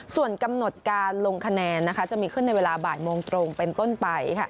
ส่วนกำหนดการลงคะแนนจะมีขึ้นในเวลาบ่ายโมงตรงเป็นต้นไป